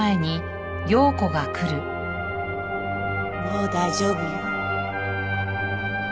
もう大丈夫よ。